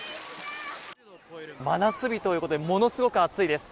真夏日ということでものすごく暑いです。